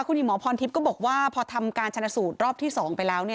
คุณหญิงหมอพรทิพย์ก็บอกว่าพอทำการชนะสูตรรอบที่๒ไปแล้ว